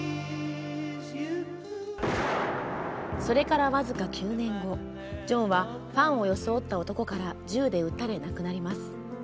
それから僅か９年後ジョンはファンを装った男から銃で撃たれ、亡くなります。